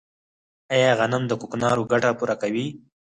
آیا غنم د کوکنارو ګټه پوره کوي؟